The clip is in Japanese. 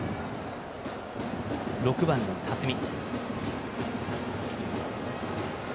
６番の辰己。